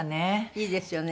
いいですよね。